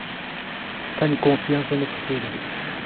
Tenho confiança no futuro